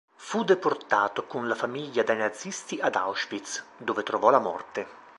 Fu deportato con la famiglia dai nazisti ad Auschwitz, dove trovò la morte.